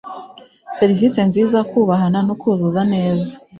Serivisi nziza kubahana no kuzuza neza